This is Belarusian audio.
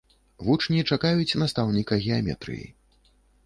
Вучні чакаюць настаўніка геаметрыі.